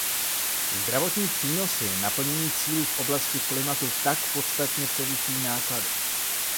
Zdravotní přínosy naplnění cílů v oblasti klimatu tak podstatně převyšují náklady.